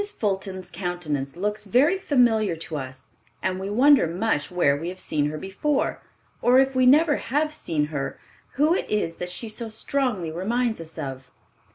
Fulton's countenance looks very familiar to us, and we wonder much where we have seen her before, or if we never have seen her, who it is that she so strongly reminds us of.